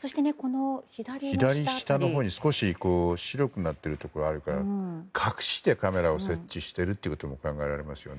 左下のほうに白くなっているところがあるから隠してカメラを設置していることも考えられますね。